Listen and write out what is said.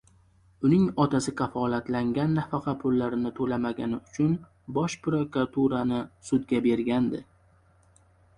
Uning otasi kafolatlangan nafaqa pullarini to‘lamagani uchun Bosh prokuraturani sudga bergandi